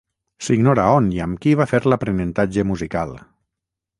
S'ignora on i amb qui va fer l'aprenentatge musical.